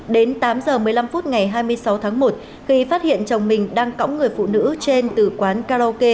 đến tám giờ một mươi năm phút ngày hai mươi sáu tháng một khi phát hiện chồng mình đang cõng người phụ nữ trên từ quán karaoke đi ra